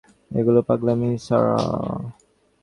এগুলো পাগলামি, সারাহ।